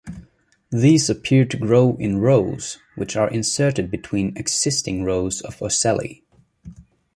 These appear to grow in rows which are inserted between existing rows of ocelli.